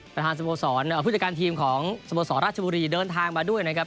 ประธานสโมสรผู้จัดการทีมของสโมสรราชบุรีเดินทางมาด้วยนะครับ